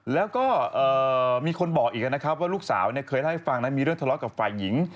แล้วก็มีคนบอกอีกว่าลูกสาวเคยให้ฟังมีเรื่องทะเลาะกับฝ่ายหญิง